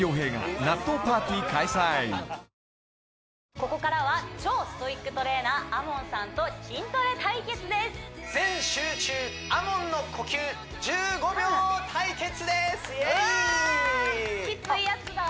ここからは超ストイックトレーナーＡＭＯＮさんと筋トレ対決ですわキツイやつだ